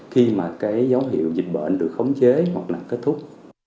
khi mà cái dấu hiệu dịch bệnh được khống chế hoặc là kết thúc